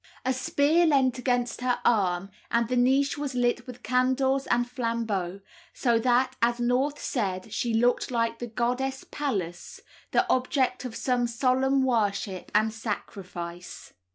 A spear leant against her arm, and the niche was lit with candles and flambeaux, so that, as North said, she looked like the goddess Pallas, the object of some solemn worship and sacrifice.